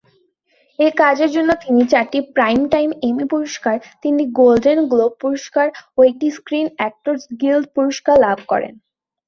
এই কাজের জন্য তিনি চারটি প্রাইমটাইম এমি পুরস্কার, তিনটি গোল্ডেন গ্লোব পুরস্কার ও একটি স্ক্রিন অ্যাক্টরস গিল্ড পুরস্কার লাভ করেন।